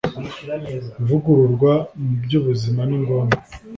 ivugurura mu byubuzima Ni ngombwa